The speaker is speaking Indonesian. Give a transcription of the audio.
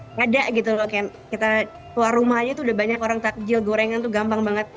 nggak ada gitu loh kayak kita keluar rumah aja tuh udah banyak orang takjil gorengan tuh gampang banget